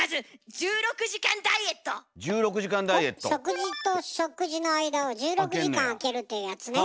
食事と食事の間を１６時間あけるっていうやつね。